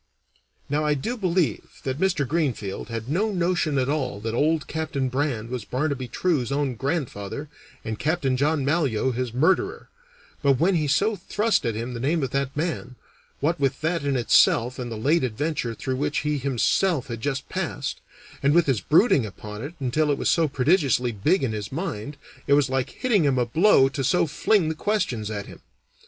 Now I do believe that Mr. Greenfield had no notion at all that old Captain Brand was Barnaby True's own grandfather and Capt. John Malyoe his murderer, but when he so thrust at him the name of that man, what with that in itself and the late adventure through which he himself had just passed, and with his brooding upon it until it was so prodigiously big in his mind, it was like hitting him a blow to so fling the questions at him.